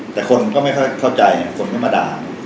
แต่คนก็ไม่เข้าใจคนก็มาด่า